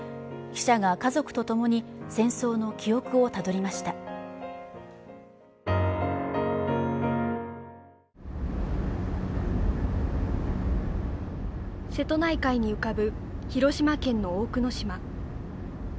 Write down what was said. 記者が家族とともに戦争の記憶をたどりました瀬戸内海に浮かぶ広島県の大久野島